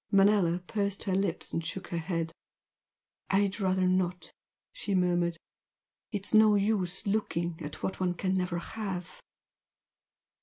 Manella pursed her lips and shook her head. "I'd rather not!" she murmured "It's no use looking at what one can never have!"